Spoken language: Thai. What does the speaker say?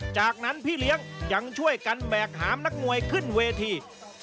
จากนั้นพี่เลี้ยงยังช่วยกันแบกหามนักมวยขึ้นเวที